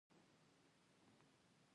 د پښتني ټولنو اکثره دودونه يو شان دي.